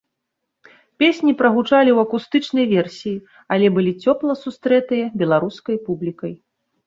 Песні прагучалі ў акустычнай версіі, але былі цёпла сустрэтыя беларускай публікай.